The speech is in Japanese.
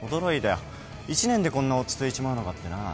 １年でこんな落ち着いちまうのかってな。